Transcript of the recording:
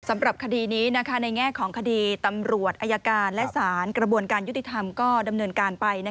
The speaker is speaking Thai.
สำหรับคดีนี้ในแง่ของคดีตำรวจอายการและสารกระบวนการยุติธรรมก็ดำเนินการไป